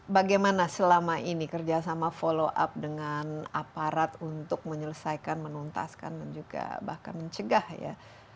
bagaimana selama ini kerjasama follow up dengan aparat untuk menyelesaikan menuntaskan dan juga bahkan mencegah ya